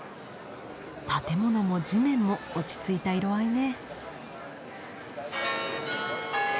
建物も地面も落ち着いた色合いね。